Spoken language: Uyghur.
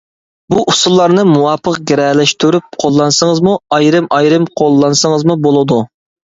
بۇ ئۇسۇللارنى مۇۋاپىق گىرەلەشتۈرۈپ قوللانسىڭىزمۇ، ئايرىم-ئايرىم قوللانسىڭىزمۇ بولىدۇ.